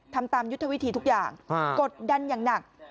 ทำตามยุทธวิธีทุกอย่างกดดันอย่างหนัก